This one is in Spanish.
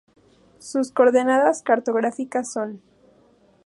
Sur coordenadas cartográficas son